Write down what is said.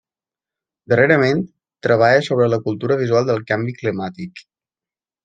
Darrerament, treballa sobre la cultura visual del canvi climàtic.